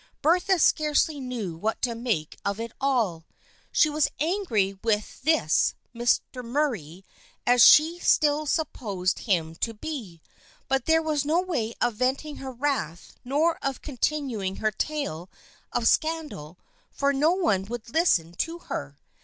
Bertha scarcely knew what to make of it all. She was very angry with this Mr. Murray, as she still supposed him to be, but there was no way of venting her wrath nor of continu ing her tale of scandal for no one would listen to her.